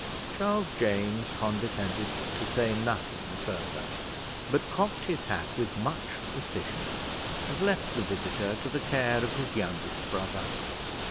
Charles James condescended to say nothing further, but cocked his hat with much precision, and left the visitor to the care of his youngest brother.